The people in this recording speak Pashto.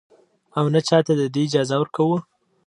او نـه چـاتـه د دې اجـازه ورکـو.